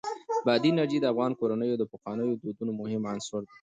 بادي انرژي د افغان کورنیو د پخوانیو دودونو مهم عنصر دی.